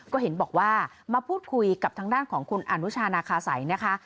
ก็เห็นบอกว่ามาพูดคุยกับทางด้านของคุณอนุชานาคาสัยนะคะ